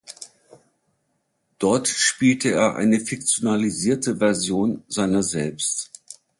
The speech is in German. Dort spielt er eine fiktionalisierte Version seiner selbst.